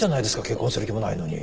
結婚する気もないのに。